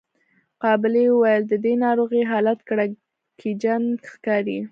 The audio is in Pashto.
قابلې وويل د دې ناروغې حالت کړکېچن ښکاري.